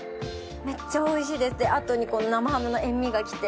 めっちゃおいしいですあとにこの生ハムの塩味がきて。